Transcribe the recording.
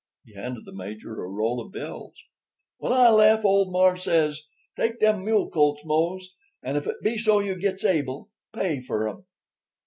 He handed the Major a roll of bills. "When I lef' old mars' says: ''Take dem mule colts, Mose, and, if it be so you gits able, pay fur 'em.